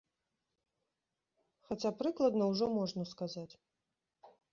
Хаця прыкладна ўжо можна сказаць.